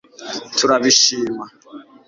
turabishima